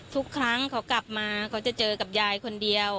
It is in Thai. ทุกครั้งเขากลับมาเขาจะเจอกับยายคนเดียว